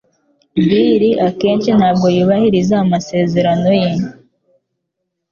Bill akenshi ntabwo yubahiriza amasezerano ye.